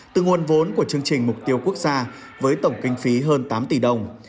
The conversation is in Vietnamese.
từ nguồn vốn của chương trình mục tiêu quốc gia với tổng kinh phí hơn tám tỷ đồng